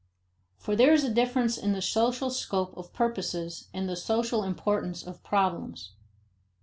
For there is a difference in the social scope of purposes and the social importance of problems.